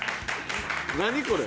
何これ？